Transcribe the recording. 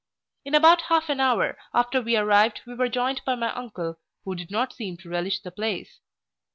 In about half an hour after we arrived we were joined by my uncle, who did not seem to relish the place.